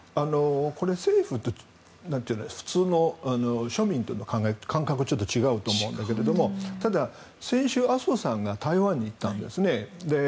これ、政府と普通の庶民との感覚はちょっと違うと思うんだけどただ、先週麻生さんが台湾に行ったんですね。